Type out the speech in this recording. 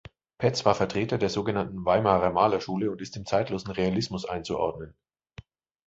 Paetz war Vertreter der so genannten „Weimarer Malerschule“ und ist dem zeitlosen Realismus einzuordnen.